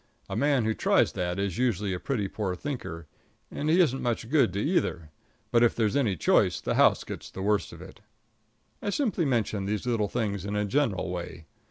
A man who tries that is usually a pretty poor thinker, and he isn't much good to either; but if there's any choice the house gets the worst of it. I simply mention these little things in a general way.